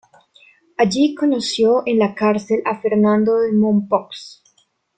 Allí conoció en la cárcel a Fernando de Mompox.